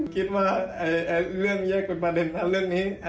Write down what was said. คิดว่าเรื่องแยกเป็นประเด็นนั้นเรื่องนี้